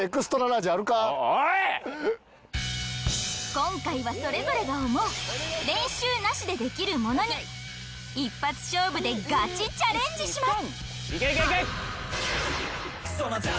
今回はそれぞれが思う練習なしでできるものに一発勝負でガチチャレンジします